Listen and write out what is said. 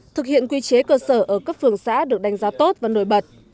thực hiện quy chế cơ sở ở cấp phường xã được đánh giá tốt và nổi bật